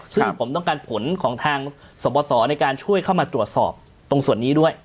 ซึ่งผมต้องการผลของทางสบสในการช่วยเข้ามาตรวจสอบตรงส่วนนี้ด้วย